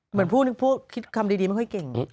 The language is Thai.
เหมือนพูดคิดคำดีไม่ค่อยเก่ง